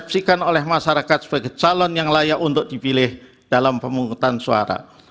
dipsikan oleh masyarakat sebagai calon yang layak untuk dipilih dalam pemungutan suara